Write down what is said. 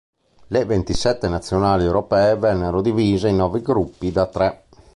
Le ventisette Nazionali europee vennero divise in nove gruppi da tre.